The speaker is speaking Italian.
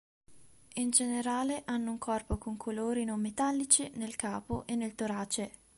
In generale hanno un corpo con colori non metallici nel capo e nel torace.